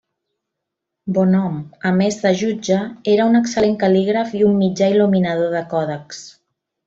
Bonhom, a més de jutge, era un excel·lent cal·lígraf i un mitjà il·luminador de còdexs.